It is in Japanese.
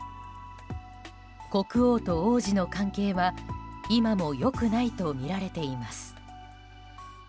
国王と王子の関係は今も良くないとみられています。